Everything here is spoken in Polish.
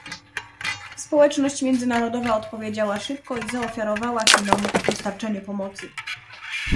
Społeczność międzynarodowa odpowiedziała szybko i zaofiarowała Chinom dostarczenie pomocy